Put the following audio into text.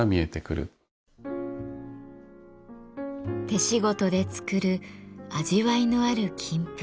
手仕事で作る味わいのある金粉。